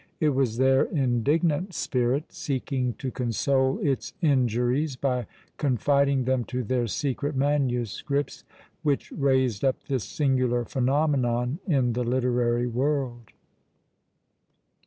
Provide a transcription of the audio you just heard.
It was their indignant spirit, seeking to console its injuries by confiding them to their secret manuscripts, which raised up this singular phenomenon in the literary world.